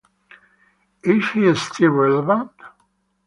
Is he still relevant?